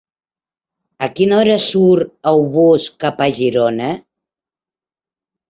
A quina hora surt el bus cap a Girona?